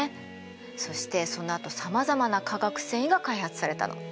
そしてそのあとさまざまな化学繊維が開発されたの。